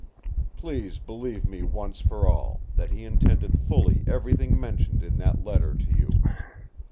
Please believe me once for all, that he intended fully everything mentioned in that letter to you!